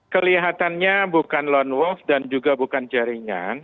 kelihatannya bukan lone wolf dan juga bukan jaringan